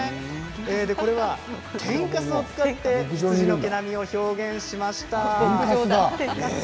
これは天かすを使って羊の毛並みを表現しました。